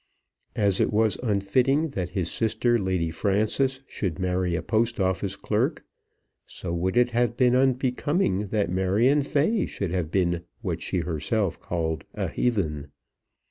As it was unfitting that his sister Lady Frances should marry a Post Office clerk, so would it have been unbecoming that Marion Fay should have been what she herself called a heathen.